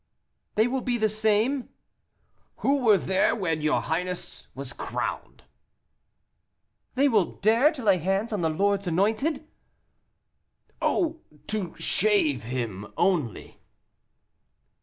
"They will be the same " "Who were there when your highness was crowned." "They will dare to lay hands on the Lord's anointed?" "Oh! to shave him, only."